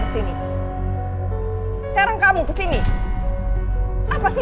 masih pacaran sama randy